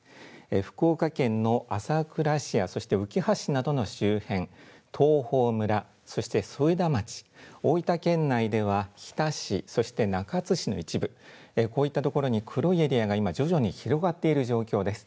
福岡県の朝倉市やそしてうきは市などの周辺、東峰村、そして添田町、大分県内では日田市、そして中津市の一部、こういったところに黒いエリアが今徐々に広がっている状況です。